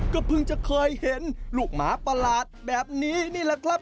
ก็เพิ่งจะเคยเห็นลูกหมาประหลาดแบบนี้นี่แหละครับ